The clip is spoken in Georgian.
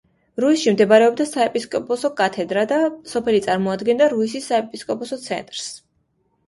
რუისში მდებარეობდა საეპისკოპოსო კათედრა და სოფელი წარმოადგენდა რუისის საეპისკოპოს ცენტრს.